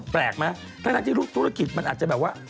แปลกไหมทั้งที่ธุรกิจมันอาจจะแบบว่า